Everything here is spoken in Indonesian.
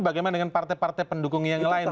bagaimana dengan partai partai pendukung yang lain